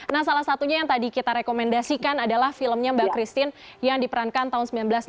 nah salah satunya yang tadi kita rekomendasikan adalah filmnya mbak christine yang diperankan tahun seribu sembilan ratus delapan puluh